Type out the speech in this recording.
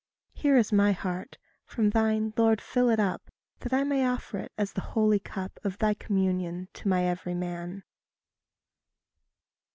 Here is my heart from thine, Lord, fill it up, That I may offer it as the holy cup Of thy communion to my every man.